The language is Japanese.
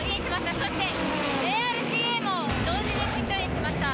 そしてＡＲＴＡも同時にピットインしました。